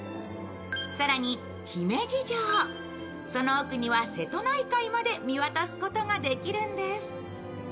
更に姫路城、その奥には瀬戸内海も見渡すことができるんです。